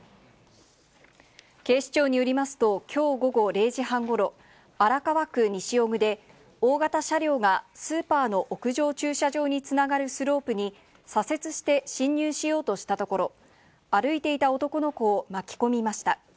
警視庁によりますと、きょう午後０時半ごろ、荒川区西尾久で、大型車両がスーパーの屋上駐車場につながるスロープに左折して進入しようとしたところ、歩いていた男の子を巻き込みました。